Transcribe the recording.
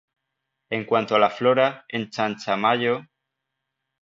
En cuanto a la flora, en Chanchamayo.